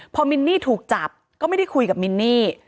พอมินนี่ถูกจับก็ไม่ได้คุยกับมินนี่